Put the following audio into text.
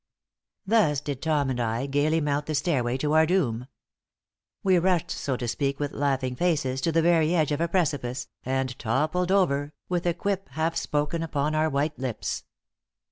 Thus did Tom and I gaily mount the stairway to our doom. We rushed, so to speak, with laughing faces, to the very edge of a precipice, and toppled over, with a quip half spoken upon our white lips.